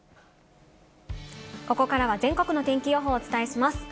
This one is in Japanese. ここからは全国の天気予報をお伝えします。